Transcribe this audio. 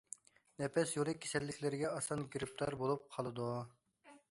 نەپەس يولى كېسەللىكلىرىگە ئاسان گىرىپتار بولۇپ قالىدۇ.